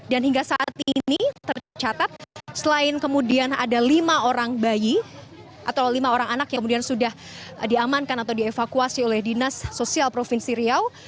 dan hingga saat ini tercatat selain kemudian ada lima orang bayi atau lima orang anak yang kemudian sudah diamankan atau dievakuasi oleh dinas sosial provinsi riau